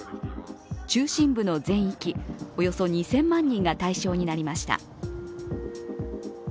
中心部の全域、およそ２０００万人が対象になりました。